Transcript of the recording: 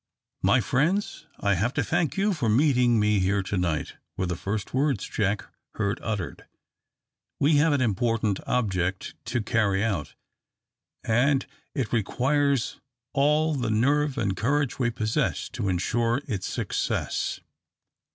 "My friends, I have to thank you for meeting me here to night," were the first words Jack heard uttered. "We have an important object to carry out, and it requires all the nerve and courage we possess to ensure its success.